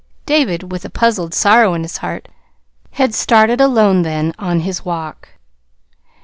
David, with a puzzled sorrow in his heart had started alone then, on his walk.